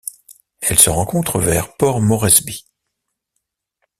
Elle se rencontre vers Port Moresby.